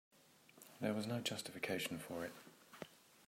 There was no justification for it.